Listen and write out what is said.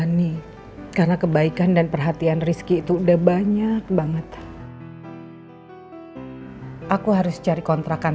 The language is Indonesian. ini karena kebaikan dan perhatian rizky itu udah banyak banget hai aku harus cari kontrakan